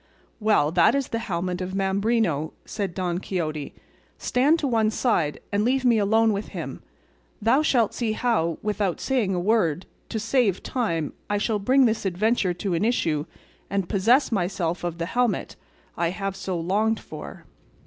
"Well, that is the helmet of Mambrino," said Don Quixote; "stand to one side and leave me alone with him; thou shalt see how, without saying a word, to save time, I shall bring this adventure to an issue and possess myself of the helmet I have so longed for."